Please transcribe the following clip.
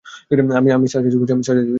আমি সার্জারি করছি।